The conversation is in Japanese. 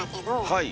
はい。